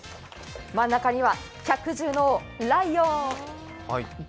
真ん中には百獣の王、ライオン。